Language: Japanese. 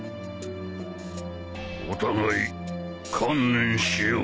お互い観念しよう。